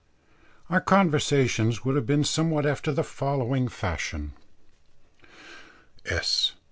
Our conversation would have been somewhat after the following fashion: _S.